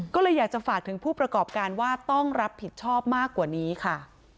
ก็เลยอยากจะฝากถึงผู้ประกอบการว่าต้องรับผิดชอบมากกว่านี้ค่ะ